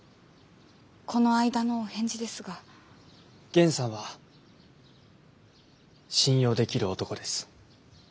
源さんは信用できる男です。